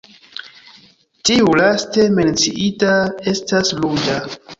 Tiu laste menciita estas ruĝa.